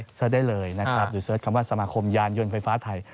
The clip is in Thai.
เสิร์ชได้เลยนะครับหรือเสิร์ชคำว่าสมาคมยานยนต์ไฟฟ้าไทย